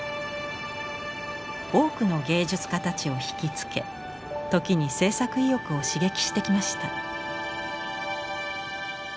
多くの芸術家たちをひきつけ時に制作意欲を刺激してきました。